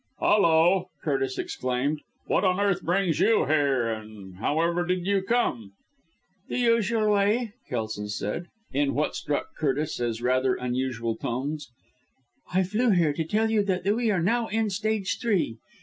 "Hulloa!" Curtis exclaimed. "What on earth brings you here, and however did you come?" "The usual way!" Kelson said, in what struck Curtis as rather unusual tones. "I flew here to tell you that we are now in stage three.